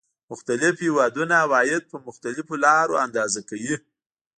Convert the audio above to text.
مختلف هېوادونه عواید په مختلفو لارو اندازه کوي